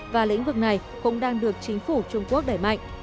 và lĩnh vực này cũng đang được chính phủ trung quốc đẩy mạnh